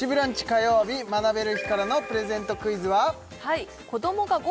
火曜日学べる日からのプレゼントクイズは？